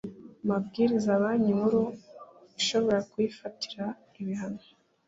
mabwiriza Banki Nkuru ishobora kuyifatira ibihano